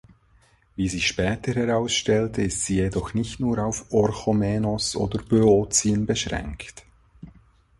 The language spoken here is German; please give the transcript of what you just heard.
Wie sich später herausstellte, ist sie jedoch nicht nur auf Orchomenos oder Böotien beschränkt.